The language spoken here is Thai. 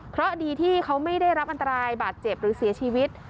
เพราะดีที่เขาไม่ได้รับอันตรายบาดเจ็บหรือเสียชีวิต